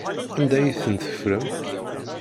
Anda ay ten-teffrem?